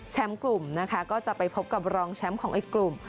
แชมป์กลุ่มก็จะไปพบกับรองแชมป์ของอีกกลุ่ม